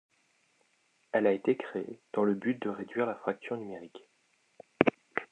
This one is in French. Elle a été créée dans le but de réduire la fracture numérique.